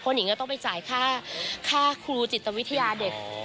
หนิงก็ต้องไปจ่ายค่าครูจิตวิทยาเด็ก